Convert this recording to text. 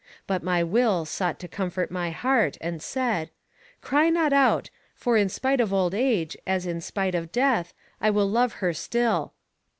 But my will sought to comfort my heart, and said, Cry not out, for, in spite of old age as in spite of death, I will love her still.